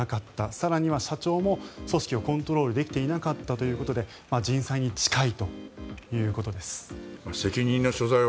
更には社長も組織をコントロールできていなかったということで人災に近いということです。